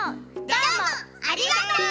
どうもありがとう！